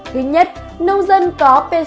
thứ nhất nông dân có pcr âm tính